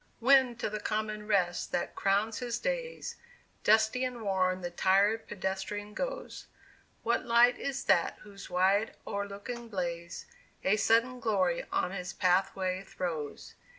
When to the common rest that crowns his days, Dusty and worn the tired pedestrian goes, What light is that whose wide o'erlooking blaze A sudden glory on his pathway throws?